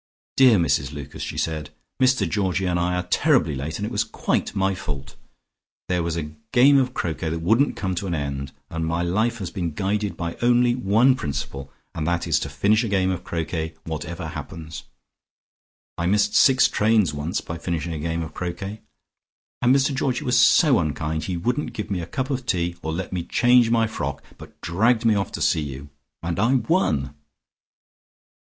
"Dear Mrs Lucas," she said, "Mr Georgie and I are terribly late, and it was quite my fault. There was a game of croquet that wouldn't come to an end, and my life has been guided by only one principle, and that is to finish a game of croquet whatever happens. I missed six trains once by finishing a game of croquet. And Mr Georgie was so unkind: he wouldn't give me a cup of tea, or let me change my frock, but dragged me off to see you. And I won!"